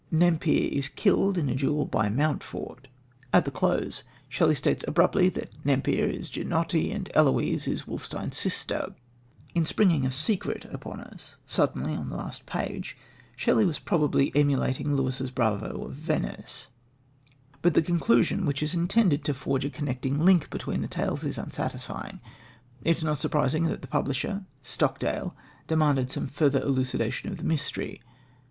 Nempère is killed in a duel by Mountfort. At the close, Shelley states abruptly that Nempère is Ginotti, and Eloise is Wolfstein's sister. In springing a secret upon us suddenly on the last page, Shelley was probably emulating Lewis's Bravo of Venice; but the conclusion, which is intended to forge a connecting link between the tales, is unsatisfying. It is not surprising that the publisher, Stockdale, demanded some further elucidation of the mystery.